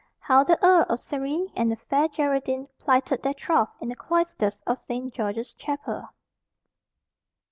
How the Earl of Surrey and the Fair Geraldine plighted their troth in the Cloisters of Saint George's Chapel.